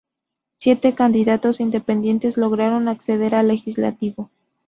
Siete candidatos independientes lograron acceder al legislativo.